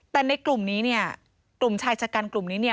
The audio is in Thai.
แต่ในกลุ่มนี้เนี่ยกลุ่มชายชะกันกลุ่มนี้เนี่ย